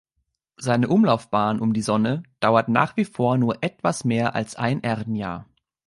Seine Umlaufbahn um die Sonne dauert nach wie vor nur etwas mehr als ein Erdenjahr.